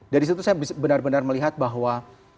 dari situ saya benar benar melihat bahwa